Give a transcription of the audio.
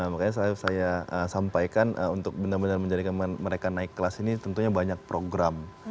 makanya saya sampaikan untuk benar benar menjadikan mereka naik kelas ini tentunya banyak program